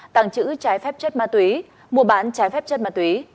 tẳng chữ trái phép chất ma túy mùa bán trái phép chất ma túy